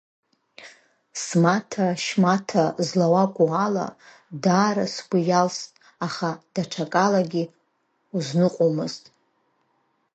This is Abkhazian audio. Смаҭа-шьмаҭа злауакәу ала, даара сгәы иалст, аха даҽакалагьы узныҟәомызт.